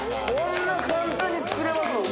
こんな簡単につくれます？